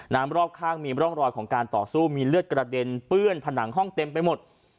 รอบข้างมีร่องรอยของการต่อสู้มีเลือดกระเด็นเปื้อนผนังห้องเต็มไปหมด